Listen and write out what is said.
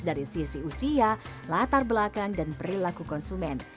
dari sisi usia latar belakang dan perilaku konsumen